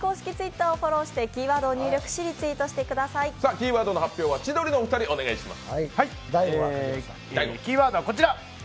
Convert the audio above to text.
キーワードの発表は千鳥のお二人お願いします。